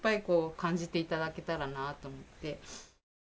こう感じていただけたらなと思って。